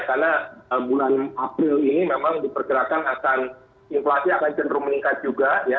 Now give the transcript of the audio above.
karena bulan april ini memang diperkirakan akan inflasi akan jenur meningkat juga ya